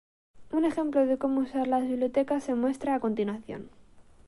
Un ejemplo de cómo usar las bibliotecas se muestra a continuación.